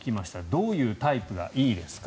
どういうタイプがいいですか。